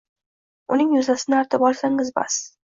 Uning yuzasini artib olsangiz bas